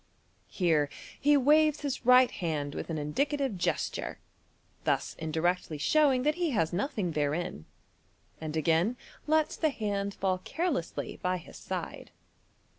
Here he waves his right hand with an indi cative gesture, thus indirectly showing that he has nothing therein, and again lots the hand fall carelessly by his side.